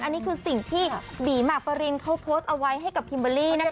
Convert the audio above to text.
อันนี้คือสิ่งที่บีมากฟารินเขาโพสต์เอาไว้ให้กับคิมเบอร์รี่นั่นเอง